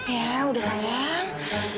ya udah sayang